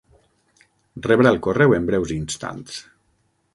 Rebrà el correu en breus instants.